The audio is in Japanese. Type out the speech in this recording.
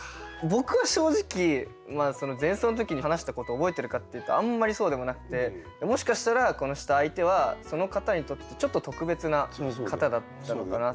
僕は正直前奏の時に話したことを覚えてるかっていうとあんまりそうでもなくてもしかしたらこのした相手はその方にとってちょっと特別な方だったのかな。